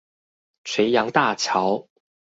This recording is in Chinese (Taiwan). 垂楊大橋